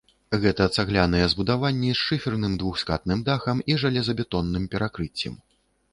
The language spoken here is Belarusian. Гэта цагляныя збудаванні з шыферным двухскатным дахам і жалезабетонным перакрыццем.